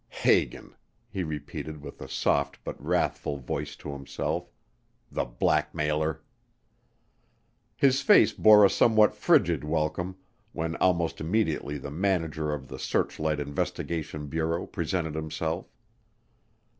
"Hagan," he repeated with a soft but wrathful voice to himself. "The blackmailer!" His face bore a somewhat frigid welcome, when almost immediately the manager of the Searchlight Investigation Bureau presented himself.